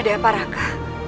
ada apa raka